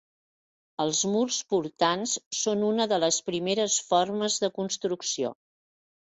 Els murs portants són una de les primeres formes de construcció.